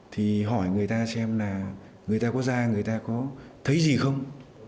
thì hỏi người ta xem là người ta có ra người ta có thấy gì không